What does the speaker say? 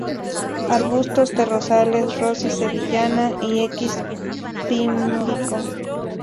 Arbustos de rosales "Rosy Sevillana" y "x Pimlico.